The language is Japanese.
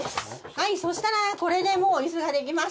はいそしたらこれでもう椅子ができました。